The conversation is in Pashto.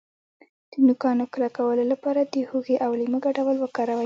د نوکانو کلکولو لپاره د هوږې او لیمو ګډول وکاروئ